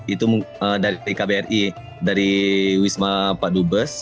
itu dari kbri dari wisma padubes